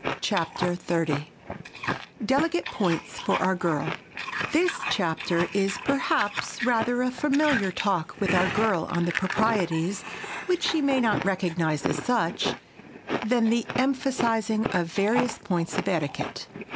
CHAPTER XXX DELICATE POINTS FOR OUR GIRL THIS chapter is, perhaps, rather a Familiar Talk with Our Girl on the proprieties—which she may not recognize as such—than the emphasizing of various points of etiquette.